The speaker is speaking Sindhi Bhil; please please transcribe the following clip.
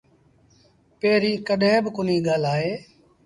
پيريݩ ڪڏهين با ڪونهيٚ ڳآلآئي